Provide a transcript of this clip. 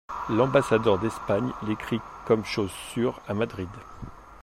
L'ambassadeur d'Espagne l'écrit comme chose sûre à Madrid.